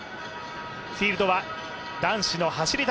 フィールドは男子の走り